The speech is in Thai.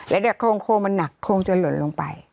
แล้วแต่โครงมันหนักโครงจะหล่นลงไป